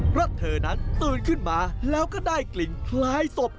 เพราะเธอนั้นตื่นขึ้นมาแล้วก็ได้กลิ่นคล้ายศพ